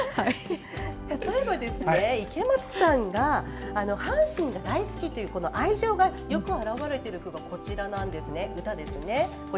例えば、池松さんが阪神が大好きというこの愛情がよく表れている歌がこちらです。